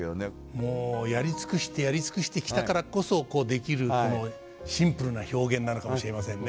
もうやり尽くしてやり尽くしてきたからこそできるこのシンプルな表現なのかもしれませんね。